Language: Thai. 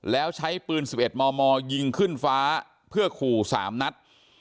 แล้วใช้ปืน๑๑มมยิงขึ้นฟ้าเพื่อขู่๓นัด